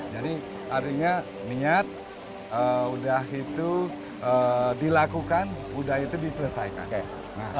jadi artinya niat udah itu dilakukan udah itu diselesaikan